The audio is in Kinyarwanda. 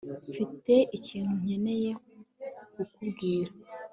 mfite ikintu nkeneye kukubwira